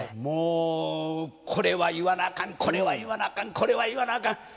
もうこれは言わなあかんこれは言わなあかんこれは言わなあかん。